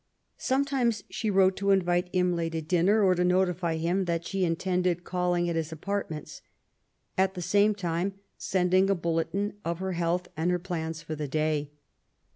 Sometimes she wrote to invite Godwin to dinner, or to notify to him that she intended calling at his apart ments, at the same time sending a bulletin of her health and of her plans for the day.